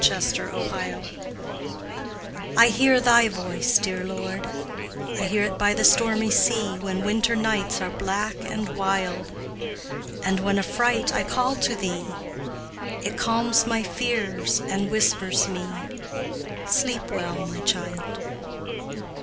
THE DIVINE LULLABY I hear Thy voice, dear Lord; I hear it by the stormy sea When winter nights are black and wild, And when, affright, I call to Thee; It calms my fears and whispers me, "Sleep well, my child."